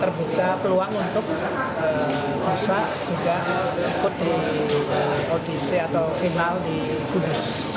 terbuka peluang untuk bisa juga ikut di odc atau final di kudus